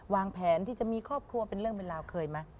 วางแผนที่จะมีครอบครัวเป็นเรื่องเป็นราวเคยไหม